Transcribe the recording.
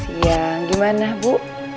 selamat siang gimana bu